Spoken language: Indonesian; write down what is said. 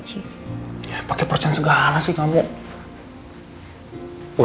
hai pakai persen segala sih kamu